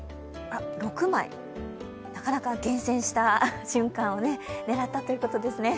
６枚、なかなか厳選した瞬間を狙ったということですね。